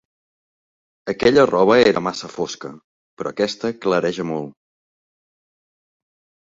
Aquella roba era massa fosca, però aquesta clareja molt.